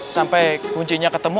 sampai kuncinya ketemu